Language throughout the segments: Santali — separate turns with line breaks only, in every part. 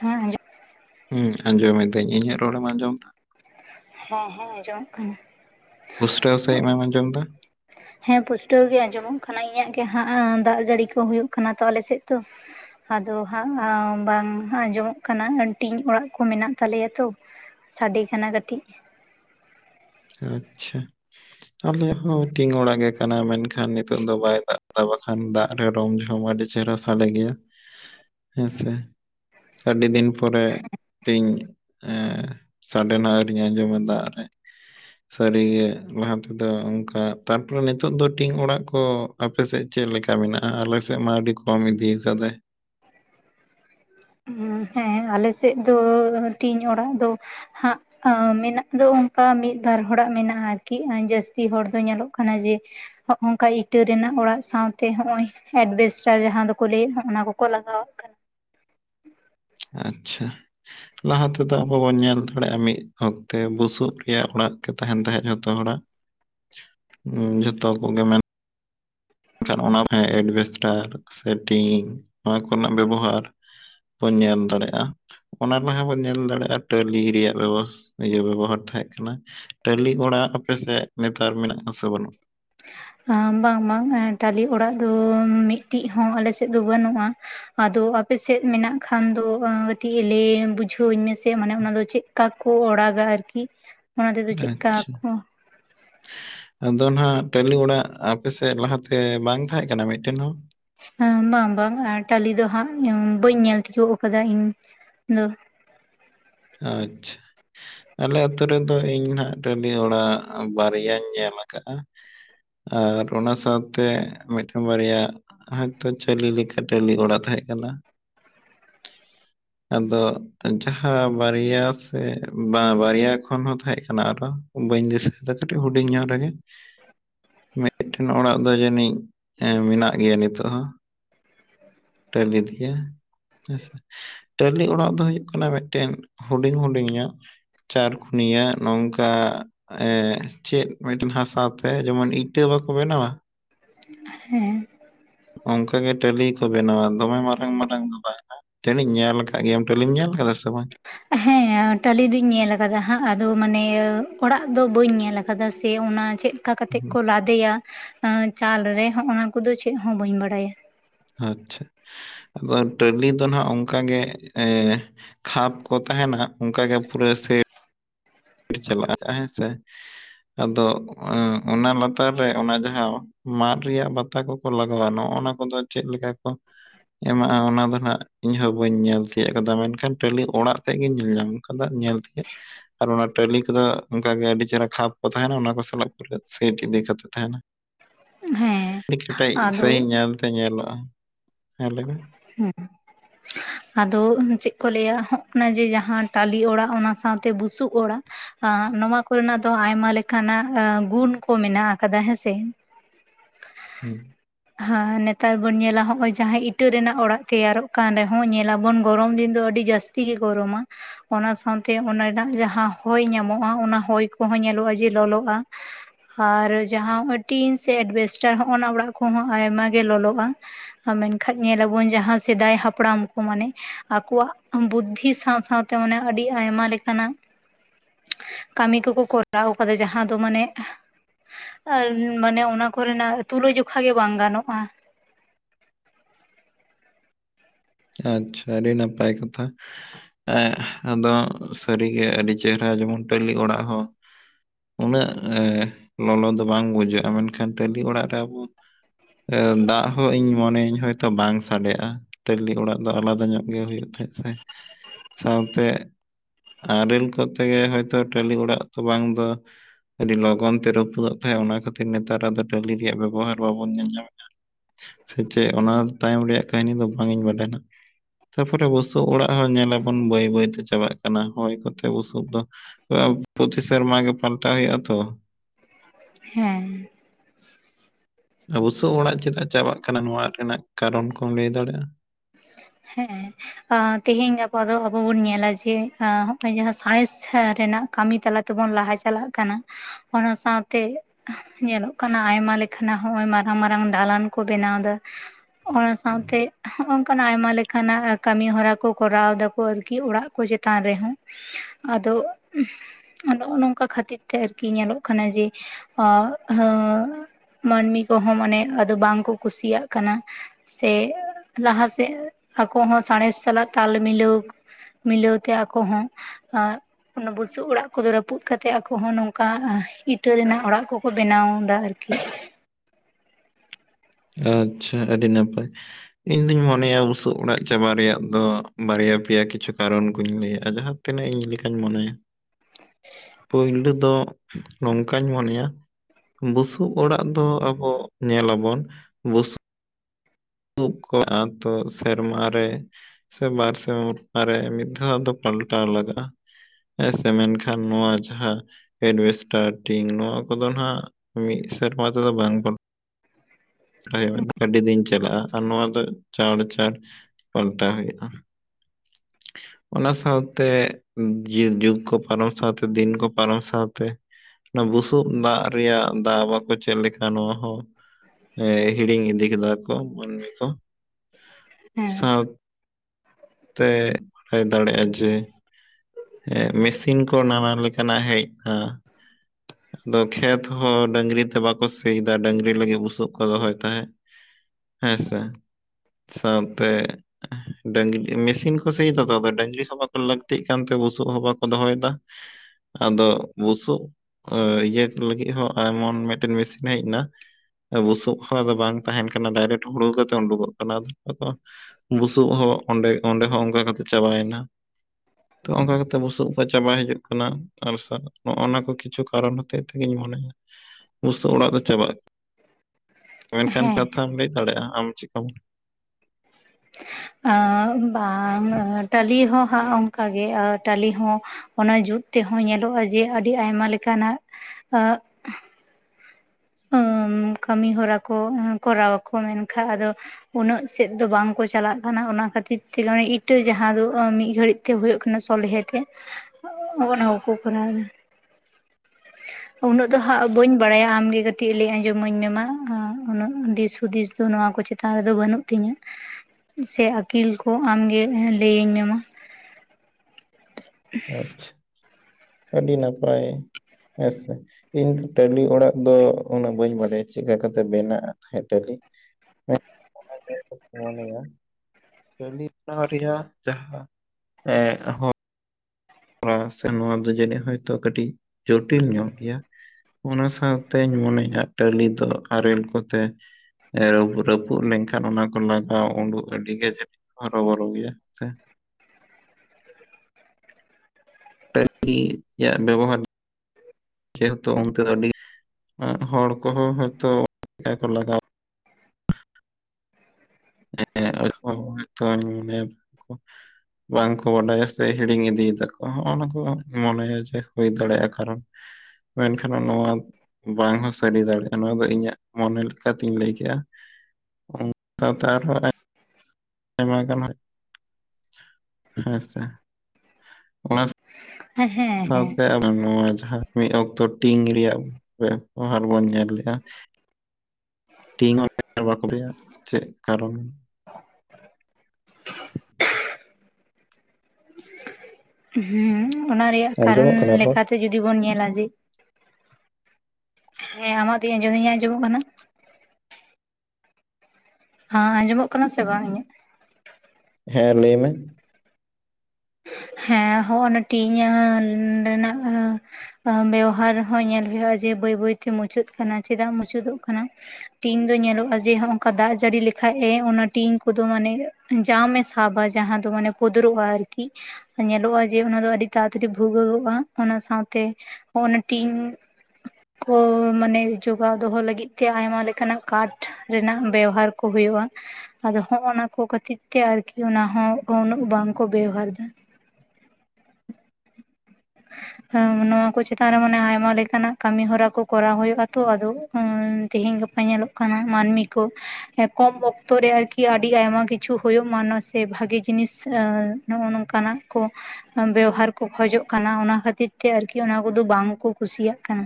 ᱦᱮᱸ
ᱦᱩᱸ ᱟᱸᱡᱚᱢ ᱢᱮᱫᱟᱹᱧ ᱤᱧᱟᱹᱜ ᱨᱚᱲ ᱮᱢ ᱟᱸᱡᱚᱢ ᱫᱟ?
ᱦᱮᱸ ᱦᱮᱸ ᱟᱸᱡᱚᱢᱚᱜ ᱠᱟᱱᱟ᱾
ᱠᱷᱩᱥᱴ ᱥᱤᱡ ᱮᱢ ᱟᱸᱡᱚᱢ ᱫᱟ?
ᱦᱮᱸ ᱯᱩᱥᱴᱟᱹᱣ ᱜᱮ ᱟᱸᱡᱚᱢᱚᱜ ᱠᱟᱱᱟ ᱤᱧᱟᱹᱜ ᱜᱮ ᱦᱟᱜ ᱫᱟᱜ ᱡᱟᱹᱲᱤ ᱠᱚ ᱦᱩᱭᱩᱜ ᱠᱟᱱᱟ ᱛᱚ ᱟᱞᱮ ᱥᱮᱫ ᱛᱚ᱾ ᱟᱫᱚ ᱦᱟᱸᱜ ᱟ ᱵᱟᱝ ᱟᱸᱡᱚᱢᱚᱜ ᱠᱟᱱᱟ ᱴᱤᱧ ᱚᱲᱟᱜ ᱠᱚ ᱢᱮᱱᱟᱜ ᱛᱟᱞᱮᱭᱟ ᱛᱚ᱾ ᱥᱟᱰᱮ ᱠᱟᱱᱟ ᱠᱟᱹᱴᱤᱡ᱾
ᱟᱪᱪᱷᱟ ᱟᱞᱮᱭᱟᱜ ᱦᱚᱸ ᱴᱤᱝ ᱚᱲᱟᱜ ᱜᱮ ᱠᱟᱱᱟ ᱢᱮᱱᱠᱷᱟᱱ ᱱᱤᱛᱚᱜ ᱫᱚ ᱵᱟᱭ [inaudible] ᱵᱟᱠᱷᱟᱱ ᱫᱟᱜ ᱨᱮ ᱨᱚᱢ ᱡᱷᱚᱢ ᱟᱹᱰᱤ, ᱥᱮᱨᱟ ᱥᱟᱰᱮ ᱜᱮᱭᱟ᱾ ᱦᱮᱸ ᱥᱮ ᱟᱹᱰᱤ ᱫᱤᱱ ᱯᱚᱨᱮ, ᱴᱤᱝ ᱮ ᱥᱟᱰᱮ ᱢᱟ ᱟᱹᱨᱤᱧ ᱟᱸᱡᱚᱢᱟ ᱫᱟᱜ ᱨᱮ᱾ ᱥᱟᱹᱨᱤᱜᱮ ᱞᱟᱦᱟ ᱛᱮᱫᱚ ᱚᱱᱠᱟ ᱛᱟᱨᱯᱚᱨᱮ ᱱᱤᱛᱚᱜ ᱫᱚ ᱴᱤᱝ ᱚᱲᱟᱜ ᱠᱚ, ᱟᱯᱮᱥᱮᱜ ᱪᱮᱜ ᱞᱮᱠᱟ ᱢᱮᱱᱟᱜᱼᱟ ᱟᱞᱮᱥᱮᱜ ᱢᱟ ᱟᱹᱰᱤ ᱠᱚᱢ ᱤᱫᱤᱠᱟᱫᱟᱭ᱾
ᱦᱮᱸ ᱟᱞᱮᱥᱮᱫ ᱫᱚ ᱴᱤᱧ ᱚᱲᱟᱜ ᱫᱚ ᱦᱟᱸᱜ, ᱚᱸ ᱢᱮᱱᱟᱜ ᱫᱚ ᱚᱱᱠᱟ ᱢᱤᱫᱵᱟᱨ ᱦᱚᱲᱟᱜ ᱢᱮᱱᱟᱜᱼᱟ ᱟᱨᱠᱤ ᱡᱟᱹᱥᱛᱤ ᱦᱚᱲ ᱫᱚ ᱧᱮᱞᱚᱜ ᱠᱟᱱᱟ ᱡᱮ, ᱦᱚᱜᱝᱠᱟ ᱤᱴᱟᱹ ᱨᱮᱱᱟᱜ ᱚᱲᱟᱜ ᱥᱟᱶᱛᱮ ᱦᱚᱜ-ᱚᱭ, ᱮᱰᱮᱥᱴᱟᱨ ᱡᱟᱦᱟᱸ ᱫᱚᱠᱚ ᱞᱟᱹᱭᱮᱫ ᱚᱱᱟ ᱠᱚᱠᱚ ᱞᱟᱜᱟᱣᱟᱜ ᱠᱟᱱᱟ᱾
ᱟᱪᱪᱷᱟ᱾ ᱞᱟᱦᱟ ᱛᱮᱫᱚ ᱟᱵᱚ ᱵᱚᱱ ᱧᱮᱞ ᱫᱟᱲᱮᱭᱟᱜᱼᱟ ᱢᱤᱫ ᱚᱠᱛᱮ ᱵᱩᱥᱩᱵ ᱨᱮᱭᱟᱜ ᱚᱲᱟᱜ ᱜᱮ ᱛᱟᱦᱮᱱ ᱛᱟᱦᱮᱸᱫ ᱡᱷᱚᱛᱚ ᱦᱚᱲᱟᱜ᱾ ᱦᱩᱸ ᱡᱷᱚᱛᱚ ᱠᱚᱜᱮ ᱢᱮᱱ ᱮᱱ ᱠᱷᱟᱱ ᱚᱱᱟ ᱦᱮᱸ ᱮᱰᱷᱮᱥᱴᱟᱨ ᱥᱮ ᱴᱤᱝ ᱱᱚᱣᱟ ᱠᱚᱨᱮᱱᱟᱜ ᱵᱮᱵᱚᱦᱟᱨ, ᱵᱚᱱ ᱧᱮᱞ ᱫᱟᱲᱮᱭᱟᱜᱼᱟ᱾ ᱚᱱᱟ ᱨᱮᱟ ᱦᱚ ᱵᱚᱱ ᱧᱮᱞ ᱫᱟᱲᱮᱭᱟᱜᱼᱟ ᱴᱟᱹᱞᱤ ᱨᱮᱭᱟᱜ ᱵᱮᱵᱚᱥ ᱤᱭᱟᱹ ᱵᱮᱵᱚᱦᱟᱨ ᱛᱟᱦᱮᱸ ᱠᱟᱱᱟ᱾ ᱴᱟᱹᱞᱤ ᱚᱲᱟᱜ ᱟᱯᱮ ᱥᱮᱜ ᱱᱮᱛᱟᱨ ᱢᱮᱱᱟᱜ ᱟᱥᱮ ᱵᱟᱹᱱᱩᱜ?
ᱵᱟᱝ ᱵᱟᱝ ᱴᱟᱹᱞᱤ ᱚᱲᱟᱜ ᱫᱚ ᱢᱤᱫᱴᱤᱡ ᱦᱚᱸ ᱟᱞᱮᱥᱮᱫ ᱫᱚ ᱵᱟᱹᱱᱩᱜᱼᱟ᱾ ᱟᱫᱚ ᱟᱯᱮᱥᱮᱜ ᱢᱮᱱᱟᱜ ᱠᱷᱟᱱ ᱫᱚ ᱟᱸ ᱠᱟᱹᱴᱤᱡ ᱞᱟᱹᱭ ᱵᱩᱡᱷᱟᱹᱣ ᱟᱹᱧ ᱢᱮᱥᱮ ᱢᱟᱱᱮ ᱚᱱᱟ ᱫᱚ ᱪᱮᱫ ᱠᱟ ᱠᱚ ᱚᱲᱟᱜᱟ ᱟᱨᱠᱤ? ᱚᱱᱟ ᱛᱮᱫᱚ ᱪᱮᱫᱠᱟ
ᱟᱪᱪᱷᱟ,
ᱠᱚ
ᱟᱫᱚ ᱱᱟᱜ ᱴᱟᱞᱤ ᱚᱲᱟᱜ ᱟᱯᱮᱥᱮᱜ ᱞᱟᱦᱟ ᱛᱮ ᱵᱟᱝ ᱛᱟᱦᱮᱸ ᱠᱟᱱᱟ ᱢᱤᱫᱴᱮᱱ ᱦᱚᱸ?
ᱮᱸ ᱵᱟᱝ ᱵᱟᱝ ᱴᱟᱞᱤ ᱫᱚ ᱦᱟᱸᱜ ᱵᱟᱹᱧ ᱧᱮᱞ ᱛᱤᱠᱟᱹ ᱟᱠᱟ ᱫᱟ ᱤᱧ ᱫᱚ᱾
ᱟᱪᱪᱷᱟ᱾ ᱟᱞᱮ ᱟᱹᱛᱩ ᱨᱮ ᱫᱚ ᱤᱧ ᱱᱟᱦᱟᱸᱜ ᱴᱟᱞᱤ ᱚᱲᱟᱜ ᱵᱟᱨᱭᱟᱧ ᱧᱮᱞ ᱠᱟᱜᱼᱟ᱾ ᱟᱨ ᱚᱱᱟ ᱥᱟᱶᱛᱮ ᱢᱤᱫᱴᱮᱱ ᱵᱟᱨᱭᱟ, ᱦᱮ ᱛᱚ ᱪᱟᱹᱞᱤ ᱞᱮᱠᱟ ᱴᱟᱹᱞᱤ ᱚᱲᱟᱜ ᱛᱟᱦᱮᱸᱜ ᱠᱟᱱᱟ᱾ ᱟᱫᱚ ᱡᱟᱸᱦᱟ ᱵᱟᱨᱭᱟ ᱥᱮ ᱵᱟᱨᱭᱟ ᱠᱷᱚᱱ ᱦᱚᱸ ᱛᱟᱦᱮᱸᱜ ᱠᱟᱱᱟ ᱟᱨᱚ ᱵᱟᱹᱧ ᱫᱤᱥᱟᱹᱭᱮ ᱫᱟ ᱠᱟᱹᱴᱤᱡ ᱦᱩᱰᱤᱧ ᱧᱚᱜ ᱨᱮ ᱜᱮ᱾ ᱢᱤᱫᱴᱮᱱ ᱚᱲᱟᱜ ᱫᱚ ᱡᱟᱹᱱᱤᱡ ᱮ ᱢᱮᱱᱟᱜ ᱜᱮᱭᱟ ᱱᱤᱛᱚᱜ ᱦᱚᱸ᱾ ᱴᱟᱞᱤ ᱫᱤᱭᱟ ᱦᱮᱸ ᱥᱮ, ᱴᱟᱹᱞᱤ ᱚᱲᱟᱜ ᱫᱚ ᱦᱩᱭᱩᱜ ᱠᱟᱱᱟ ᱢᱮᱫᱴᱮᱱ ᱦᱩᱰᱤᱧ ᱦᱩᱰᱤᱧᱟᱜ ᱪᱟᱨ ᱠᱷᱩᱱᱤᱭᱟᱹ ᱱᱚᱝᱠᱟ ᱮ ᱪᱮᱫ ᱢᱤᱫᱴᱮᱱ ᱦᱟᱥᱟ ᱛᱮ ᱡᱮᱢᱚᱱ ᱤᱴᱟᱹ ᱵᱟᱠᱚ ᱵᱮᱱᱟᱣ-ᱟ
ᱦᱮᱸ,
ᱚᱱᱠᱟ ᱜᱮ ᱴᱟᱞᱤ ᱠᱚ ᱵᱮᱱᱟᱣ-ᱟ ᱫᱚᱢᱮ ᱢᱟᱨᱟᱝ ᱢᱟᱨᱟᱝ ᱫᱚ ᱵᱟᱝ ᱦᱮᱸ᱾ ᱡᱟᱹᱱᱤᱡ ᱧᱮᱞ ᱟᱠᱟᱜ ᱜᱮᱭᱢ, ᱴᱟᱹᱞᱤᱢ ᱧᱮᱞ ᱟᱠᱟᱫᱟ ᱥᱮ ᱵᱟᱝ?
ᱦᱮᱸ ᱴᱟᱹᱞᱤ ᱫᱩᱧ ᱧᱮᱞ ᱟᱠᱟᱫᱟ ᱦᱟᱸᱜ ᱟᱫᱚ ᱢᱟᱱᱮ ᱚᱲᱟᱜ ᱫᱚ ᱵᱟᱹᱧ ᱧᱮᱞ ᱟᱠᱟᱫᱟ ᱥᱮ ᱚᱱᱟ ᱪᱮᱫ ᱠᱟᱛᱮᱫ
ᱦᱩᱸ,
ᱠᱚ ᱞᱟᱫᱮᱭᱟ ᱪᱟᱞ ᱨᱮ ᱦᱚᱸ-ᱱᱟ ᱠᱚᱫᱚ ᱪᱮᱫ ᱦᱚᱸ ᱵᱟᱹᱧ ᱵᱟᱲᱟᱭᱟ
ᱟᱪᱪᱷᱟ ᱟᱫᱚ ᱴᱟᱹᱞᱤ ᱫᱚ ᱱᱟᱜ ᱚᱱᱠᱟ ᱜᱮ ᱠᱷᱟᱯ ᱠᱚ ᱛᱟᱦᱮᱱᱟ ᱚᱱᱠᱟ ᱜᱮ ᱯᱩᱨᱟᱹ ᱥᱮᱴ ᱪᱟᱞᱟᱜ-ᱟ ᱦᱮᱸ ᱥᱮ ᱟᱫᱚ ᱚᱱᱟ ᱞᱟᱛᱟᱨ ᱨᱮ ᱚᱱᱟ ᱡᱟᱸᱦᱟ ᱢᱟᱜ ᱨᱮᱭᱟᱜ ᱵᱟᱛᱟ ᱠᱚᱠᱚ ᱞᱟᱜᱟᱣ-ᱟ ᱱᱚᱼᱱᱟ ᱠᱚᱫᱚ ᱪᱮᱫ ᱞᱮᱠᱟ ᱠᱚ ᱮᱢᱟᱜ-ᱟ ᱚᱱᱟ ᱫᱚ ᱱᱟᱜ ᱤᱧ ᱦᱚᱸ ᱵᱟᱹᱧ ᱧᱮᱞ ᱛᱤᱭᱳᱜ ᱠᱟᱫᱟ ᱢᱮᱱᱠᱷᱟᱱ ᱴᱟᱹᱞᱤ ᱚᱲᱟᱜ ᱛᱮᱜ ᱜᱤᱧ ᱧᱮᱞ ᱧᱟᱢ ᱠᱟᱫᱟ ᱧᱮᱞ ᱛᱤᱭᱟᱜ ᱟᱨ ᱚᱱᱟ ᱴᱟᱞᱤ ᱠᱚ ᱫᱚ ᱚᱱᱠᱟ ᱜᱮ ᱟᱹᱰᱤ ᱪᱮᱦᱨᱟ ᱠᱷᱟᱯ ᱠᱚ ᱛᱟᱸᱦᱮᱱᱟ ᱚᱱᱟ ᱠᱚ ᱥᱟᱞᱟᱜ ᱥᱮᱴ ᱤᱫᱤ ᱠᱟᱛᱮ ᱛᱟᱦᱮᱱᱟ
ᱦᱮᱸ,
ᱟᱹᱰᱤ ᱠᱮᱴᱮᱡ
ᱟᱫᱚ
ᱥᱟᱹᱦᱤᱡ ᱧᱮᱞ ᱛᱮ ᱧᱮᱞᱚᱜ-ᱟ, [inaudible]
ᱦᱮᱸᱻ ᱟᱫᱚ ᱪᱮᱜ ᱠᱚ ᱞᱟᱹᱭ-ᱟ ᱦᱚᱸᱱᱟ- ᱡᱮ ᱡᱟᱦᱟᱸ ᱴᱟᱞᱤ ᱚᱲᱟᱜ ᱚᱱᱟ ᱥᱟᱶᱛᱮ ᱵᱩᱥᱩᱵ ᱚᱲᱟᱜ ᱮᱸ ᱱᱚᱣᱟ ᱠᱚᱨᱮ ᱱᱟᱜ ᱫᱚ ᱟᱭᱢᱟ ᱞᱮᱠᱟᱱᱟᱜ ᱜᱩᱱ ᱠᱚ ᱢᱮᱱᱟᱜ ᱟᱠᱟᱫᱟ ᱦᱮᱸ ᱥᱮ [unintelligible]
ᱦᱩᱸ
ᱦᱟᱸ ᱱᱮᱛᱟᱨ ᱵᱚᱱ ᱧᱮᱞᱟ ᱦᱚᱸᱜ-ᱚᱭ ᱡᱟᱸᱦᱟ ᱤᱴᱟᱹ ᱨᱮᱱᱟᱜ ᱚᱲᱟᱜ ᱛᱮᱭᱟᱨᱚᱜ ᱠᱟᱱ ᱨᱮᱸ ᱦᱚ ᱧᱮᱞᱟ ᱵᱚᱱ ᱜᱚᱨᱚᱢ ᱫᱤᱱ ᱫᱚ ᱟᱹᱰᱤ ᱡᱟᱹᱥᱛᱤ ᱜᱮ ᱜᱚᱨᱚᱢᱟ ᱚᱱᱟ ᱥᱟᱶ ᱛᱮ ᱚᱱᱟ ᱨᱮᱱᱟᱜ ᱡᱟᱦᱟᱸ ᱦᱚᱭ ᱧᱟᱢᱚᱜ-ᱟ ᱚᱱᱟ ᱦᱚᱭ ᱠᱚᱸᱦᱚ ᱧᱮᱞᱚᱜ-ᱟ ᱡᱮ ᱞᱚᱞᱚᱜ-ᱟ ᱟᱨ ᱡᱟᱸᱦᱟ ᱱᱚ-ᱚᱭ ᱴᱤᱱ ᱥᱮ ᱮᱰᱵᱮᱥᱴᱟᱨ ᱦᱚᱸ-ᱱᱟ ᱚᱲᱟᱜ ᱠᱚᱸ ᱦᱚ ᱟᱭᱢᱟᱜ ᱜᱮ ᱞᱚᱞᱚᱜ-ᱟ ᱢᱮᱱᱠᱷᱟᱱ ᱧᱮᱞ ᱟᱵᱚ ᱵᱚᱱ ᱡᱟᱸᱦᱟ ᱥᱮᱫᱟᱭ ᱦᱟᱯᱲᱟᱢ ᱠᱚ ᱢᱟᱱᱮ ᱟᱠᱚᱟᱜ ᱵᱩᱫᱫᱷᱤ ᱥᱟᱶ ᱥᱟᱶᱛᱮ ᱢᱟᱱᱮ ᱟᱹᱰᱤ ᱟᱭᱢᱟ ᱞᱮᱠᱟ ᱠᱟᱱᱟ ᱠᱟᱹᱢᱤ ᱠᱚᱠᱚ ᱠᱚᱨᱟᱣ ᱠᱟᱫᱟ ᱡᱟᱦᱟᱸ ᱫᱚ ᱢᱟᱱᱮ ᱟᱨ ᱢᱟᱱᱮ ᱚᱱᱟ ᱠᱚᱨᱮᱱᱟᱜ ᱛᱩᱞᱟᱹ ᱡᱚᱠᱷᱟ ᱜᱮ ᱵᱟᱝ ᱜᱟᱱᱚᱜ-ᱟ
ᱟᱪᱪᱷᱟ ᱟᱹᱰᱤ ᱱᱟᱯᱟᱭ ᱠᱟᱛᱷᱟ ᱮ ᱟᱫᱚ ᱥᱟᱨᱤ ᱜᱮ ᱟᱹᱰᱤ ᱪᱮᱦᱨᱟ ᱡᱮᱢᱚᱱ ᱴᱟᱹᱞᱤ ᱚᱲᱟᱜ ᱦᱚᱸ ᱩᱱᱟᱹᱜ ᱞᱚᱞᱚ ᱫᱚ ᱵᱟᱝ ᱵᱩᱡᱷᱟᱹᱜ-ᱟ ᱢᱮᱱᱠᱷᱟᱱ ᱴᱟᱹᱞᱤ ᱚᱲᱟᱜ ᱨᱮ ᱟᱵᱩ ᱫᱟᱜ ᱦᱚᱸ ᱤᱧ ᱢᱚᱱᱮᱭ ᱟᱹᱧ ᱦᱚᱭ ᱛᱚ ᱵᱟᱝ ᱥᱟᱰᱮᱜ-ᱟ ᱴᱟ. ᱞᱤ ᱚᱲᱟᱜ ᱫᱚ ᱟᱞᱟᱫᱟ ᱧᱚᱜ ᱜᱮ ᱦᱩᱭᱩᱜ ᱛᱟᱦᱮᱸᱫ ᱥᱮ ᱥᱟᱶ ᱛᱮ ᱟᱨᱮᱞ ᱠᱚᱛᱮ ᱜᱮ ᱦᱚᱭᱛᱚ ᱴᱟᱹᱞᱤ ᱚᱲᱟᱜ ᱫᱚ ᱵᱟᱝ ᱫᱚ ᱟᱹᱰᱤ ᱞᱚᱜᱚᱱ ᱛᱮ ᱨᱟᱹᱯᱩᱫᱚᱜ ᱛᱟᱦᱮᱸᱜ ᱚᱱᱟ ᱠᱷᱟᱹᱛᱤᱨ ᱱᱮᱛᱟᱨ ᱟᱫᱚ ᱴᱟᱹᱞᱤ ᱨᱮᱭᱟᱜ ᱵᱮᱵᱚᱦᱟᱨ ᱵᱟᱵᱚᱱ ᱧᱮᱞ ᱧᱟᱢᱮᱫ-ᱟ ᱥᱮ ᱪᱮᱫ ᱚᱱᱟ ᱛᱟᱭᱚᱢ ᱨᱮᱭᱟᱜ ᱠᱟᱹᱦᱱᱤ ᱫᱚ ᱵᱟᱝ ᱤᱧ ᱵᱟᱰᱟᱭᱟ ᱱᱟᱜ ᱛᱟ ᱯᱚᱨᱮ ᱵᱚᱥᱩᱵ ᱚᱲᱟᱜ ᱦᱚᱸ ᱧᱮᱞᱟ ᱩᱱ ᱵᱟᱹᱭ ᱵᱟᱹᱭ ᱛᱮ ᱪᱟᱵᱟᱜ ᱠᱟᱱᱟ ᱦᱚᱭ ᱠᱚᱛᱮ ᱵᱩᱥᱩᱵ ᱫᱚ [unintelligible] ᱯᱚᱛᱤ ᱥᱮᱨᱢᱟ ᱜᱮ ᱯᱟᱞᱴᱟᱣ ᱦᱩᱭᱩᱜ-ᱟ ᱛᱚ ᱾
ᱦᱮᱸ,
ᱵᱩᱥᱩᱵ ᱚᱲᱟᱜ ᱪᱮᱫᱟᱜ ᱪᱟᱵᱟᱜ ᱠᱟᱱᱟ ᱱᱚᱣᱟ ᱨᱮᱱᱟᱜ ᱠᱟᱨᱚᱱ ᱠᱚᱢ ᱞᱟᱹᱭ ᱫᱟᱲᱮᱭᱟᱜ-ᱟ᱾
ᱦᱮᱸ ᱛᱮᱦᱤᱧ ᱜᱟᱯᱟ ᱫᱚ ᱟᱵᱚ ᱵᱚᱱ ᱧᱮᱞᱟ ᱡᱮ ᱦᱚᱸᱼᱚᱭ ᱡᱟᱦᱟᱸ ᱥᱟᱸᱬᱮᱥ ᱦᱮᱸ ᱨᱮᱱᱟᱜ ᱠᱟᱹᱢᱤ ᱛᱟᱞᱟ ᱛᱮᱵᱚᱱ ᱞᱟᱦᱟ ᱪᱟᱞᱟᱜ ᱠᱟᱱᱟ ᱚᱱᱟ ᱥᱟᱶᱛᱮ ᱧᱮᱞᱚᱜ ᱠᱟᱱᱟ ᱟᱭᱢᱟ ᱞᱮᱠᱟᱱᱟᱜ ᱦᱚᱸᱜ-ᱚᱭ ᱢᱟᱨᱟᱝ ᱢᱟᱨᱟᱝ ᱫᱟᱞᱟᱱ ᱠᱚ ᱵᱮᱱᱟᱣᱫᱟ᱾ ᱚᱱᱟ ᱥᱟᱶᱛᱮ ᱦᱚᱸᱜ-ᱚ ᱟᱭᱢᱟ ᱞᱮᱠᱟᱱᱟᱜ ᱠᱟᱹᱢᱤ ᱦᱚᱨᱟ ᱠᱚ ᱠᱚᱨᱟᱣ ᱫᱟᱠᱚ ᱟᱨᱠᱤ ᱚᱲᱟᱜ ᱠᱚ ᱪᱮᱛᱟᱱ ᱨᱮᱦᱚᱸ᱾ ᱟᱫᱚ ᱩᱸ ᱟᱫᱚ ᱚᱱᱮ ᱚᱱᱝᱠᱟ ᱠᱷᱟᱹᱛᱤᱨ ᱛᱮ ᱟᱨᱠᱤ ᱧᱮᱞᱚᱜ ᱠᱟᱱᱟ ᱡᱮ ᱟᱻ ᱚᱻ ᱢᱟᱹᱱᱢᱤ ᱠᱚᱦᱚᱸ ᱢᱟᱱᱮ ᱟᱫᱚ ᱵᱟᱝᱠᱚ ᱠᱩᱥᱤᱭᱟᱜ ᱠᱟᱱᱟ ᱥᱮ ᱞᱟᱦᱟ ᱥᱮ ᱟᱠᱚ ᱦᱚᱸ ᱥᱟᱬᱮᱥ ᱥᱟᱞᱟᱜ ᱛᱟᱞ ᱢᱤᱞᱟᱹᱣ ᱢᱤᱞᱟᱹᱣ ᱛᱮ ᱟᱠᱚ ᱦᱚᱸ [unintelligible] ᱚᱱᱟ ᱵᱩᱥᱩᱵ ᱚᱲᱟᱜ ᱠᱚᱫᱚ ᱨᱟᱹᱯᱩᱫᱽ ᱠᱟᱛᱮᱜ ᱟᱠᱚ ᱦᱚᱸ ᱱᱚᱝᱠᱟ ᱤᱴᱟᱹ ᱨᱮᱱᱟᱜ ᱚᱲᱟᱜ ᱠᱚᱠᱚ ᱵᱮᱱᱟᱣᱫᱟ ᱟᱨᱠᱤ᱾
ᱟᱪᱪᱷᱟ ᱟᱹᱰᱤ ᱱᱟᱯᱟᱭ᱾ ᱤᱧ ᱫᱩᱧ ᱢᱚᱱᱮᱭᱟ ᱵᱩᱥᱩᱵ ᱚᱲᱟᱜ ᱪᱟᱵᱟ ᱨᱮᱭᱟᱜ ᱫᱚ ᱵᱟᱨᱭᱟ ᱯᱮᱭᱟ ᱠᱤᱪᱷᱩ ᱠᱟᱨᱚᱱ ᱠᱩᱧ ᱞᱟᱹᱭᱟ ᱡᱟᱦᱟᱸ ᱛᱤᱱᱟᱹᱜ ᱤᱧ ᱞᱮᱠᱟᱧ ᱢᱚᱱᱮᱭᱟ᱾
[inaudible]
ᱯᱳᱭᱞᱳ ᱫᱚ ᱱᱚᱝᱠᱟᱧ ᱢᱚᱱᱮᱭᱟ᱾ ᱵᱩᱥᱩᱵ ᱚᱲᱟᱜ ᱫᱚ ᱟᱵᱚ ᱧᱮᱞᱟᱵᱚᱱ ᱵᱩᱥᱩᱵ ᱵᱩᱥᱩᱵ ᱠᱚ ᱟᱫᱚ ᱥᱮᱨᱢᱟ ᱨᱮ ᱥᱮ ᱵᱟᱨ ᱥᱮᱨᱢᱟ ᱨᱮ ᱢᱤᱫ ᱫᱷᱟᱣ ᱫᱚ ᱯᱟᱞᱴᱟᱣ ᱞᱟᱜᱟᱜ-ᱟ᱾ ᱦᱮᱸᱥᱮ ᱢᱮᱱᱠᱷᱟᱱ ᱱᱚᱣᱟ ᱡᱟᱦᱟᱸ ᱮᱰᱵᱷᱮᱥᱴᱟᱨ ᱴᱤᱝ ᱱᱚᱣᱟ ᱠᱚᱫᱚ ᱱᱟᱜ ᱢᱤᱫ ᱥᱮᱨᱢᱟ ᱛᱮᱫᱚ ᱵᱟᱝ [unintelligible] ᱟᱭᱢᱟ ᱟᱹᱰᱤ ᱫᱤᱱ ᱪᱟᱞᱟᱜ-ᱟ᱾ ᱟᱨ ᱱᱚᱣᱟ ᱫᱚ ᱪᱟᱬ ᱪᱟᱬ ᱯᱟᱞᱴᱟᱣ ᱦᱩᱭᱩᱜ-ᱟ᱾ ᱚᱱᱟ ᱥᱟᱶᱛᱮ ᱡᱩᱜᱽ ᱡᱩᱜᱽ ᱠᱚ ᱯᱟᱨᱚᱢ ᱥᱟᱶᱛᱮ, ᱫᱤᱱ ᱠᱚ ᱯᱟᱨᱚᱢ ᱥᱟᱶᱛᱮ ᱚᱱᱟ ᱵᱩᱥᱩᱵ ᱫᱟᱜ ᱨᱮᱭᱟᱜ ᱫᱟᱣ ᱵᱟᱠᱚ ᱪᱮᱫ ᱞᱮᱠᱟ ᱱᱚᱣᱟ ᱦᱚᱸ ᱦᱮᱸ ᱦᱤᱲᱤᱧ ᱤᱫᱤ ᱠᱮᱫᱟ ᱠᱚ ᱢᱟᱹᱱᱢᱤ ᱠᱚ
ᱦᱮᱸ
ᱥᱟᱶ ᱛᱮ ᱵᱟᱲᱟᱭ ᱫᱟᱲᱮᱜ-ᱟ ᱡᱮ, ᱦᱮᱸ ᱢᱮᱥᱤᱱ ᱠᱚ ᱱᱟᱱᱟ ᱞᱮᱠᱟᱱᱟᱜ ᱦᱮᱡ-ᱟ᱾
[inaudible]
ᱟᱫᱚ ᱠᱷᱮᱛ ᱦᱚᱸ ᱰᱟᱹᱝᱨᱤ ᱛᱮ ᱵᱟᱠᱚ ᱥᱤᱭᱮᱫᱟ ᱰᱟᱹᱝᱨᱤ ᱞᱟᱹᱜᱤᱫ ᱵᱩᱥᱩᱵ ᱠᱚ ᱫᱚᱦᱚᱭ ᱛᱟᱦᱮᱸᱫ᱾ ᱦᱮᱸ ᱥᱮ ᱥᱟᱶᱛᱮ ᱰᱟᱝᱨᱤ ᱢᱮᱥᱤᱱ ᱠᱚ ᱥᱤᱭᱫᱟ ᱛᱚ ᱟᱫᱚ ᱰᱟᱝᱨᱤ ᱦᱚᱸ ᱵᱟᱠᱚ ᱞᱟᱹᱠᱛᱤᱜ ᱠᱟᱱᱛᱮ ᱵᱩᱥᱩᱵ ᱦᱚᱸ ᱵᱟᱠᱚ ᱫᱚᱦᱚᱭᱫᱟ᱾ ᱟᱫᱚ ᱵᱩᱥᱩᱵ ᱚ, ᱤᱭᱟᱹ ᱠᱚ ᱞᱟᱹᱜᱤᱫ ᱦᱚᱸ ᱮᱢᱚᱱ ᱢᱮᱫᱴᱮᱱ ᱢᱮᱥᱤᱱ ᱦᱮᱡ ᱮᱱᱟ᱾ ᱵᱩᱥᱩᱵ ᱦᱚᱸ ᱟᱫᱚ ᱵᱟᱝ ᱛᱟᱸᱦᱮᱱ ᱠᱟᱱᱟ ᱰᱟᱭᱨᱮᱠᱴ ᱦᱩᱲᱩ ᱠᱟᱛᱮ ᱩᱰᱩᱠᱚᱜ ᱠᱟᱱᱟ, ᱟᱫᱚ ᱛᱟᱯᱚᱨ ᱵᱩᱥᱩᱵ ᱦᱚᱸ ᱚᱸᱰᱮ, ᱚᱸᱰᱮ ᱦᱚᱸ ᱚᱝᱠᱟ ᱠᱟᱛᱮ ᱪᱟᱵᱟᱭᱮᱱᱟ᱾ ᱛᱚ ᱚᱱᱠᱟ ᱠᱟᱛᱮ ᱵᱩᱥᱩᱵ ᱠᱚ ᱪᱟᱵᱟ ᱦᱤᱡᱩᱜ ᱠᱟᱱᱟ᱾ [unintelligible] ᱦᱚᱸᱜ-ᱚᱱᱟ ᱠᱚ ᱠᱤᱪᱷᱩ ᱠᱟᱨᱚᱱ ᱦᱚᱛᱮᱡ ᱛᱮᱜᱤᱧ ᱢᱚᱱᱮᱭᱟ ᱵᱩᱥᱟᱹ ᱚᱲᱟᱜ ᱫᱚ ᱪᱟᱵᱟᱜ ᱢᱮᱱᱠᱷᱟᱱ
ᱦᱮᱸ
ᱠᱟᱛᱷᱟᱢ ᱞᱟᱹᱭ ᱫᱟᱲᱮᱭᱟᱜ-ᱟ ᱟᱢ ᱪᱮᱜ ᱠᱚᱢ
ᱟᱸ ᱵᱟᱝ ᱴᱟᱞᱤ ᱦᱚᱸ ᱦᱟᱸᱜ ᱚᱝ ᱚᱝᱠᱟᱜᱮ ᱟᱨ ᱴᱟᱞᱤ ᱦᱚᱸ ᱚᱱᱟ ᱡᱩᱛ ᱛᱮᱦᱚᱸ ᱧᱮᱞᱚᱜ-ᱟ ᱡᱮ ᱟᱹᱰᱤ ᱟᱭᱢᱟ ᱞᱮᱠᱟᱱᱟᱜ᱾ ᱟᱸᱜ ᱩᱸ ᱠᱟᱹᱢᱤ ᱦᱚᱨᱟ ᱠᱚ ᱠᱚᱨᱟᱣᱟᱠᱚ᱾ ᱢᱮᱱᱠᱷᱟᱱ ᱟᱫᱚ ᱩᱱᱟᱹᱜ ᱥᱮᱫ ᱫᱚ ᱵᱟᱝ ᱠᱚ ᱪᱟᱞᱟᱜ ᱠᱟᱱᱟ, ᱚᱱᱟ ᱠᱷᱟᱹᱛᱤᱨ ᱛᱮ ᱚᱱᱮ ᱤᱴᱟᱹ ᱡᱟᱦᱟᱸ ᱫᱚ ᱢᱤᱫ ᱜᱷᱟᱹᱲᱤᱡ ᱛᱮ ᱦᱳᱭᱳᱜ ᱠᱟᱱᱟ ᱥᱚᱞᱦᱮᱛᱮ ᱚᱱᱟ ᱦᱚᱸᱠᱚ ᱠᱚᱨᱟᱣᱫᱟ᱾ ᱩᱱᱟᱹᱜ ᱫᱚ ᱦᱟᱸᱜ ᱵᱟᱹᱧ ᱵᱟᱲᱟᱭᱟ ᱟᱢᱜᱮ ᱠᱟᱴ ᱴᱤᱡ ᱞᱟ. ᱭ ᱟᱸᱡᱚᱢᱟ. ᱧ ᱢᱮ ᱢᱟ, ᱩᱱᱟᱹᱜ ᱫᱤᱥ ᱦᱩᱫᱤᱥ ᱫᱚ ᱱᱚᱣᱟ ᱠᱚ ᱪᱮᱛᱟᱱ ᱨᱮᱫᱚ ᱵᱟᱹᱱᱩᱜ ᱛᱤᱧᱟᱹ᱾ ᱥᱮ ᱟᱹᱠᱤᱞ ᱠᱚ ᱟᱢᱜᱮ ᱞᱟᱹᱭᱤᱧ ᱢᱮ ᱢᱟ᱾
ᱦᱮᱸ
[inaudible]
ᱟᱹᱰᱤ ᱱᱟᱯᱟᱭ, ᱦᱮᱸᱥᱮ? ᱤᱧ ᱫᱚ ᱴᱟᱹᱞᱤ ᱚᱲᱟᱜ ᱫᱚ ᱩᱱᱟᱹᱜ ᱵᱟᱹᱧ ᱵᱟᱰᱟᱭᱟ ᱪᱮᱫᱠᱟ ᱠᱟᱛᱮ ᱵᱮᱱᱟᱜ-ᱟ [unintelligible] ᱴᱟᱹᱞᱤ᱾ [inaudible] ᱢᱚᱱᱮᱭᱟ᱾ ᱴᱟᱹᱞᱤ [inaudible] ᱨᱮᱭᱟᱜ ᱡᱟᱦᱟᱸ ᱮᱸ ᱦᱚ [inaudible] ᱥᱮ ᱱᱚᱣᱟ ᱫᱚ ᱡᱟᱹᱱᱤᱡ ᱦᱚᱭᱛᱳ ᱠᱟᱹᱴᱤᱡ ᱡᱚᱴᱤᱞ ᱧᱚᱜ ᱜᱮᱭᱟ᱾ ᱚᱱᱟ ᱥᱟᱶᱛᱮᱧ ᱢᱚᱱᱮᱭᱟ ᱴᱟᱹᱞᱤ ᱫᱚ ᱟᱨᱮᱞ ᱠᱚᱛᱮ ᱮ ᱨᱟᱯᱩ ᱨᱟᱹᱯᱩᱫ ᱞᱮᱱᱠᱷᱟᱱ ᱚᱱᱟ ᱠᱚ ᱞᱟᱜᱟᱣ ᱩᱸᱰᱩᱜ ᱟᱹᱰᱤ ᱜᱮ [inaudible] ᱦᱚᱨᱚᱵᱚᱨᱚ ᱜᱮᱭᱟ᱾ ᱥᱮ [inaudible] ᱵᱮᱵᱚᱦᱟᱨ ᱡᱮᱦᱮᱛᱩ ᱚᱱᱛᱮ ᱟᱹᱰᱤ ᱮᱸᱜ ᱦᱚᱲ ᱠᱚᱦᱚᱸ ᱦᱚᱭᱛᱚ [inaudible] ᱞᱟᱜᱟᱣ [inaudible] ᱵᱟᱝ ᱠᱚ ᱵᱟᱰᱟᱭᱟ ᱥᱮ ᱦᱤᱲᱤᱧ ᱤᱫᱤᱭ ᱫᱟᱠᱚ ᱦᱚᱸᱜ-ᱚ ᱱᱟ ᱠᱚ ᱢᱚᱱᱮᱭᱟ ᱡᱮ ᱦᱩᱭ ᱫᱟᱲᱮᱭᱟᱜ-ᱟ ᱠᱟᱨᱚᱱ ᱢᱮᱱᱠᱷᱟᱱ ᱱᱚᱣᱟ ᱵᱟᱝ ᱦᱚᱸ ᱥᱟᱹᱨᱤ ᱫᱟᱲᱮᱭᱟᱜ-ᱟ ᱱᱚᱣᱟ ᱫᱚ ᱤᱧᱟᱹᱜ ᱢᱚᱱᱮ ᱞᱮᱠᱟᱛᱤᱧ ᱞᱟᱹᱭ ᱠᱮᱜ-ᱟ ᱩᱸ [unintelligible] ᱟᱭᱢᱟ ᱜᱟᱱ, ᱦᱮᱸ ᱥᱮ, ᱚᱱᱟ
ᱦᱮᱸ ᱦᱮᱸ
ᱥᱟᱶᱛᱮ ᱟᱵᱚ ᱱᱚᱣᱟ ᱡᱟᱦᱟᱸ ᱢᱤᱫ ᱚᱠᱛᱚ ᱴᱤᱝ ᱨᱮᱭᱟᱜ ᱵᱮᱵᱚᱦᱟᱨ ᱵᱚᱱ ᱧᱮᱞ ᱞᱮᱜ-ᱟ ᱴᱤᱝ [unintelligible] ᱪᱮᱫ ᱠᱟᱨᱚᱱ
ᱦᱩᱸ ᱚᱱᱟ ᱨᱮᱭᱟᱜ ᱠᱟᱨᱚᱱ
ᱟᱸᱡᱚᱢᱚᱜ ᱠᱟᱱᱟ ᱨᱚᱲ
ᱞᱮᱠᱟ ᱛᱮ ᱡᱩᱫᱤ ᱵᱚᱱ ᱧᱮᱞᱟ ᱡᱮ ᱦᱮᱸ ᱟᱢᱟᱜ [unintelligible] ᱟᱸᱡᱚᱢᱚᱜ ᱠᱟᱱᱟ? ᱦᱟᱸ ᱟᱸᱡᱚᱢᱚᱜ ᱠᱟᱱᱟ ᱥᱮ ᱵᱟᱝ ᱤᱧᱟᱹᱜ?
ᱦᱮᱸ ᱞᱟᱹᱭ ᱢᱮ᱾
ᱦᱮᱸ ᱦᱚᱸᱜᱼᱚ ᱱᱟ ᱴᱤᱧ ᱟ ᱨᱮᱱᱟᱜ ᱚ ᱟ ᱵᱮᱣᱦᱟᱨ ᱦᱚᱸ ᱧᱮᱞ ᱦᱳᱭᱳᱜ-ᱟ ᱡᱮ ᱵᱟᱹᱭ ᱵᱟᱹᱭᱛᱮ ᱢᱩᱪᱟᱹᱫ ᱠᱟᱱᱟ ᱪᱮᱫᱟᱜ ᱢᱩᱪᱟᱹᱫᱚᱜ ᱠᱟᱱᱟ? ᱴᱤᱧ ᱫᱚ ᱧᱮᱞᱚᱜ-ᱟ ᱡᱮ ᱦᱚᱸᱜ-ᱚᱝᱠᱟ ᱫᱟᱜ ᱡᱟᱹᱲᱤ ᱞᱮᱠᱷᱟᱡ ᱮ ᱚᱱᱟ ᱴᱤᱧ ᱠᱚᱫᱚ ᱢᱟᱱᱮ ᱡᱟᱢ ᱮ ᱥᱟᱵᱟ ᱡᱟᱦᱟᱸᱫᱚ ᱢᱟᱱᱮ ᱯᱳᱫᱨᱳᱜ-ᱟ ᱟᱨᱠᱤ᱾ ᱧᱮᱞᱚᱜ-ᱟ ᱡᱮ ᱚᱱᱟᱫᱚ ᱟᱹᱰᱤ ᱛᱟᱲᱟᱛᱟᱲᱤ ᱵᱷᱩᱜᱟᱹᱜᱚᱜ-ᱟ ᱚᱱᱟ ᱥᱟᱶᱛᱮ ᱦᱚᱸᱜᱼᱚ ᱱᱟ ᱴᱤᱝ ᱠᱚ ᱢᱟᱱᱮ ᱡᱚᱜᱟᱣ ᱫᱚᱦᱚ ᱞᱟᱹᱜᱤᱫ ᱛᱮ ᱟᱭᱢᱟ ᱞᱮᱠᱟᱱᱟᱜ ᱠᱟᱴ ᱨᱮᱱᱟᱜ ᱵᱮᱣᱦᱟᱨ ᱠᱚ ᱦᱩᱭᱩᱜ-ᱟ᱾ ᱟᱫᱚ ᱦᱚᱸᱜ-ᱚ ᱱᱟ ᱠᱚ ᱠᱷᱟᱹᱛᱤᱨ ᱛᱮ ᱟᱨᱠᱤ ᱚᱱᱟ ᱦᱚᱸ ᱩᱱᱟᱹᱜ ᱵᱟᱝᱠᱚ ᱵᱮᱣᱦᱟᱨ ᱫᱟ᱾ [inaudible] ᱮᱸ ᱱᱚᱣᱟ ᱠᱚ ᱪᱮᱛᱟᱱ ᱨᱮ ᱢᱟᱱᱮ ᱟᱭᱢᱟ ᱞᱮᱠᱟᱱᱟᱜ ᱠᱟᱹᱢᱤ ᱦᱚᱨᱟ ᱠᱚ ᱠᱚᱨᱟᱣ ᱦᱳᱭᱳᱜ-ᱟ ᱛᱚ ᱟᱫᱚ ᱮᱸ ᱛᱮᱦᱮᱧ ᱜᱟᱯᱟ ᱧᱮᱞᱚᱜ ᱠᱟᱱᱟ ᱢᱟᱹᱱᱢᱤ ᱠᱚ ᱦᱮᱸ ᱠᱚᱢ ᱚᱠᱛᱚ ᱨᱮ ᱟᱨᱠᱤ ᱟᱹᱰᱤ ᱟᱭᱢᱟ ᱠᱤᱪᱷᱩ ᱦᱳᱭᱳᱜ ᱢᱟ ᱱᱟᱥᱮ ᱵᱷᱟᱜᱮ ᱡᱤᱱᱤᱥ ᱟᱨ ᱱᱚᱜᱼᱚ ᱱᱚᱝᱠᱟᱱᱟᱜ ᱠᱚ ᱵᱮᱣᱦᱟᱨ ᱠᱚ ᱠᱷᱚᱡᱚᱜ ᱠᱟᱱᱟ ᱚᱱᱟ ᱠᱷᱟᱹᱛᱤᱨ ᱛᱮ ᱟᱨᱠᱤ ᱚᱱᱟ ᱠᱚᱫᱚ ᱵᱟᱝ ᱠᱚ ᱠᱩᱥᱤᱭᱟᱜ ᱠᱟᱱᱟ᱾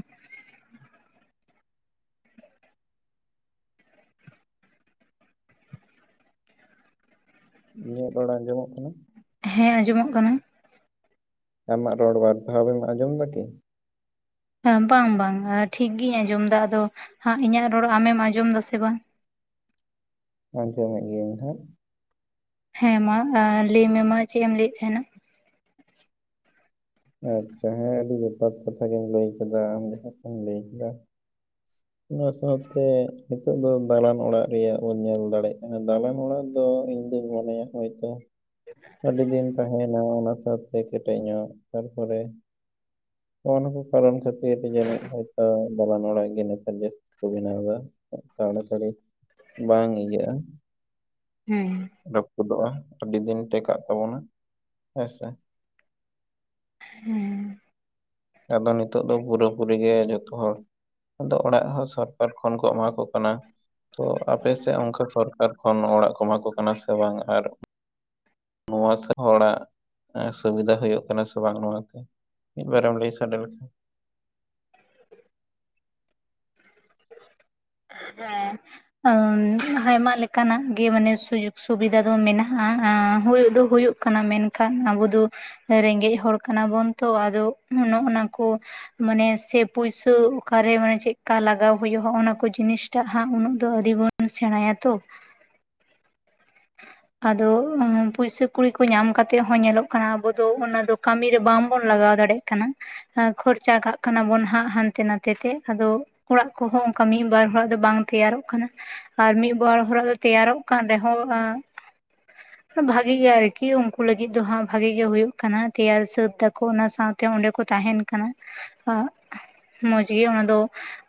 ᱤᱧᱟᱹᱜ ᱨᱚᱲ ᱟᱸᱡᱚᱢᱚᱜ ᱠᱟᱱᱟ?
ᱦᱮᱸ ᱟᱸᱡᱚᱢᱚᱜ ᱠᱟᱱᱟ᱾
ᱟᱢᱟᱜ ᱨᱚᱲ ᱵᱟᱨ ᱫᱷᱟᱣ ᱮᱢ ᱟᱸᱡᱚᱢ ᱮᱫᱟ ᱠᱤ?
ᱦᱮᱸ ᱵᱟᱝ ᱵᱟᱝ ᱟ ᱴᱷᱤᱠ ᱜᱤᱧ ᱟᱸᱡᱚᱢ ᱫᱟ᱾ ᱟᱫᱚ ᱦᱟᱸᱜ ᱤᱧᱟᱹᱜ ᱨᱚᱲ ᱟᱢᱮᱢ ᱟᱸᱡᱚᱢ ᱫᱟ ᱥᱮ ᱵᱟᱝ?
ᱟᱸᱡᱚᱢᱮᱫ ᱜᱤᱭᱟᱹᱧ ᱦᱟᱸᱜ᱾
ᱦᱮᱸ ᱢᱟ ᱟ ᱞᱟᱹᱭ ᱢᱮ ᱢᱟ ᱪᱮᱫ ᱮᱢ ᱞᱟᱹᱭᱮᱫ ᱛᱟᱦᱮᱱᱟ᱾
ᱟᱪᱪᱷᱟ ᱦᱮᱸ ᱟᱹᱰᱤ ᱡᱚᱛᱷᱟᱛ ᱠᱟᱛᱷᱟ ᱜᱮᱢ ᱞᱟᱹᱭ ᱟᱠᱟᱫᱟ ᱟᱢ ᱡᱟᱦᱟᱸ ᱠᱚᱢ ᱞᱟᱹᱭ ᱠᱮᱫᱟ᱾ ᱚᱱᱟ ᱥᱟᱶᱛᱮ ᱱᱤᱛᱚᱜ ᱫᱚ ᱫᱟᱞᱟᱱ ᱚᱲᱟᱜ ᱨᱮᱭᱟᱜ ᱵᱚᱱ ᱧᱮᱞ ᱫᱟᱲᱮᱜ ᱠᱟᱱᱟ ᱫᱟᱞᱟᱱ ᱚᱲᱟᱜ ᱫᱚ ᱤᱧ ᱫᱩᱧ ᱢᱚᱱᱮᱭᱟ ᱦᱚᱭᱛᱚ ᱟᱹᱰᱤ ᱫᱤᱱ ᱛᱟᱦᱮᱸᱱᱟ ᱚᱱᱟ ᱥᱟᱶ ᱦᱳᱭ ᱠᱮᱴᱮᱡ ᱧᱚᱜ ᱛᱟᱨᱯᱚᱨᱮ, ᱱᱚᱜ ᱱᱚᱣᱟ ᱠᱚ ᱠᱟᱨᱚᱱ ᱠᱷᱟᱹᱛᱤᱨ ᱛᱮ ᱡᱟᱹᱱᱤᱡ ᱦᱳᱭᱛᱚ [unintelligible] ᱵᱟᱲᱟᱭ ᱜᱮ ᱱᱤᱛᱼᱼᱼ ᱟᱨ ᱡᱟᱥᱛᱤ ᱠᱚ ᱵᱮᱱᱟᱣᱟ ᱛᱟᱲᱟ ᱛᱟᱹᱲᱤ, ᱵᱟᱝ ᱤᱭᱟᱹᱜ-ᱟ,
ᱦᱩᱸ᱾
ᱨᱟᱯᱩᱫᱚᱜᱼᱟ ᱟᱹᱰᱤ ᱫᱤᱱ ᱴᱮᱠᱟᱜ ᱛᱟᱵᱚᱱᱟ, ᱦᱮᱸ ᱥᱮ᱾
ᱦᱮᱸ᱾
ᱟᱫᱚ ᱱᱤᱛᱚᱜ ᱫᱚ ᱯᱩᱨᱟᱹ ᱯᱩᱨᱤ ᱜᱮ ᱡᱷᱚᱛᱚ ᱦᱚᱲ ᱟᱫᱚ ᱚᱲᱟᱜ ᱦᱚᱸ ᱥᱚᱨᱠᱟᱨ ᱠᱷᱚᱱ ᱠᱚ ᱮᱢᱟ ᱠᱚ ᱠᱟᱱᱟ᱾ ᱛᱚ ᱟᱯᱮ ᱥᱮᱫ ᱚᱝᱠᱟ ᱥᱚᱨᱠᱟᱨ ᱠᱷᱚᱱ ᱚᱲᱟᱜ ᱠᱚ ᱮᱢᱟ ᱠᱚ ᱠᱟᱱᱟ ᱥᱮ ᱵᱟᱝ? ᱟᱨ ᱱᱚᱣᱟ ᱥᱮ ᱦᱚᱲᱟᱜ ᱮᱸ ᱥᱩᱵᱤᱫᱟ ᱦᱳᱭᱳᱜ ᱠᱟᱱᱟ ᱥᱮ ᱵᱟᱝ ᱱᱚᱣᱟ ᱛᱮ? ᱢᱤᱫ ᱵᱟᱨᱮᱢ ᱞᱟᱹᱭ ᱥᱟᱰᱮ ᱞᱮᱠᱷᱟᱱ,
[inaudible] ᱟᱢ ᱦᱟᱭᱢᱟ ᱞᱮᱠᱟᱱᱟᱜ ᱜᱮ ᱢᱟᱱᱮ ᱥᱩᱡᱳᱜᱽ ᱥᱩᱵᱤᱫᱟ ᱫᱚ ᱢᱮᱱᱟᱜᱼᱟ, ᱦᱩᱭ ᱫᱚ ᱦᱩᱭᱩᱜ ᱠᱟᱱᱟ ᱢᱮᱱᱠᱷᱟᱱ ᱟᱵᱚ ᱫᱚ, ᱮᱸ ᱨᱮᱜᱮᱡ ᱦᱚᱲ ᱠᱟᱱᱟ ᱵᱚᱱ ᱛᱚ ᱟᱫᱚ ᱚᱱᱚ ᱚᱱᱟ ᱠᱚ ᱢᱟᱱᱮ ᱥᱮ ᱯᱩᱭᱥᱟᱹ ᱚᱠᱟᱨᱮ ᱢᱟᱱᱮ ᱪᱮᱫᱠᱟ ᱞᱟᱜᱟᱣ ᱦᱩᱭᱩᱜ ᱦᱚᱸ ᱚᱱᱟ ᱠᱚ ᱡᱤᱱᱤᱥ ᱴᱟᱜ ᱦᱟᱸᱜ ᱩᱱᱟᱹᱜ ᱫᱚ ᱟᱣᱨᱤ ᱵᱚᱱ ᱥᱮᱬᱟᱭᱟ ᱛᱚ, ᱟᱫᱚ [inaudible] ᱯᱩᱭᱥᱟᱹ ᱠᱩᱲᱤ ᱠᱚ ᱧᱟᱢ ᱠᱟᱛᱮᱫ ᱦᱚᱸ ᱧᱮᱞᱚᱜ ᱠᱟᱱᱟ ᱟᱵᱚ ᱫᱚ ᱚᱱᱟ ᱫᱚ ᱠᱟᱢᱤ ᱨᱮ ᱵᱟᱝ ᱵᱚᱱ ᱞᱟᱜᱟᱣ ᱫᱟᱲᱮᱜ ᱠᱟᱱᱟ, ᱟᱸ ᱠᱷᱚᱨᱪᱟ ᱠᱟᱜ ᱠᱟᱱᱟ ᱵᱚᱱ ᱦᱟᱸᱜ ᱦᱟᱱᱛᱮ ᱱᱟᱛᱮ ᱛᱮ ᱟᱫᱚ ᱚᱲᱟᱜ ᱠᱚᱦᱚᱸ ᱚᱝᱠᱟ ᱢᱤᱫ ᱵᱟᱨ ᱦᱚᱲᱟᱜ ᱫᱚ ᱵᱟᱝ ᱛᱮᱭᱟᱨᱚᱜ ᱠᱟᱱᱟ᱾ ᱟᱨ ᱢᱤᱫ ᱵᱟᱨ ᱦᱚᱨᱟᱜ ᱫᱚ ᱛᱮᱭᱟᱨᱚᱜ ᱠᱟᱱ ᱨᱮᱦᱚᱸ ᱮᱸᱻ ᱵᱷᱟᱜᱤ ᱜᱮ ᱟᱨᱠᱤ ᱩᱝᱠᱩ ᱞᱟᱹᱜᱤᱫ ᱫᱚ ᱦᱟᱸᱜ ᱵᱷᱟᱜᱤ ᱜᱮ ᱦᱩᱭᱩᱜ ᱠᱟᱱᱟ ᱛᱮᱭᱟᱨ ᱥᱟᱹᱛ ᱫᱟᱠᱚ ᱚᱱᱟ ᱥᱟᱶ ᱛᱮ ᱚᱸᱰᱮ ᱠᱚ ᱛᱟᱦᱮᱸᱱ ᱠᱟᱱᱟ, ᱢᱚᱡᱽ ᱜᱮ ᱚᱱᱟ ᱫᱚ᱾